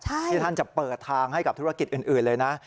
ที่ท่านจะเปิดทางให้กับธุรกิจอื่นเลยนะ